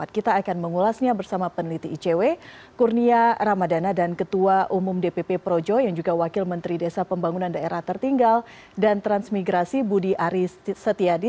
kita akan mengulasnya bersama peneliti icw kurnia ramadana dan ketua umum dpp projo yang juga wakil menteri desa pembangunan daerah tertinggal dan transmigrasi budi aris setiadi